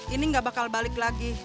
ini gak bakal balik lagi